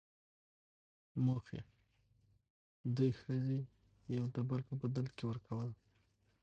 موخۍ، دوې ښځي يو دبل په بدل کي ورکول.